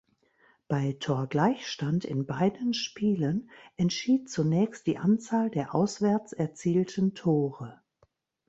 Bei Torgleichstand in beiden Spielen entschied zunächst die Anzahl der Auswärts erzielten Tore.